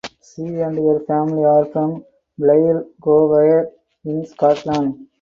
She and her family are from Blairgowrie in Scotland.